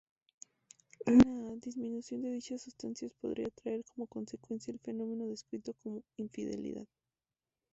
La disminución de dichas sustancias podrían traer como consecuencia el fenómeno descrito como infidelidad.